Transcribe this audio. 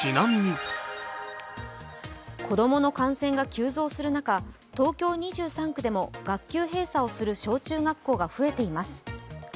子供の感染が急増する中、東京２３区でも学級閉鎖をする小中学校が増えています。